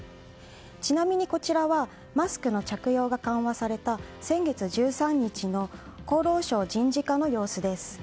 ちなみに、こちらはマスクの着用が緩和された先月１３日の厚労省人事課の様子です。